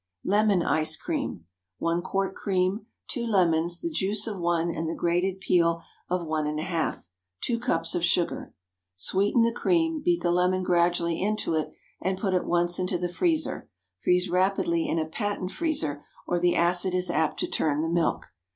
LEMON ICE CREAM. ✠ 1 quart cream. 2 lemons—the juice of one and the grated peel of one and a half. 2 cups of sugar. Sweeten the cream, beat the lemon gradually into it, and put at once into the freezer. Freeze rapidly in a patent freezer, or the acid is apt to turn the milk.